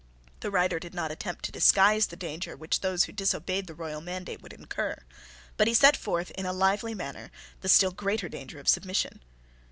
The writer did not attempt to disguise the danger which those who disobeyed the royal mandate would incur: but he set forth in a lively manner the still greater danger of submission.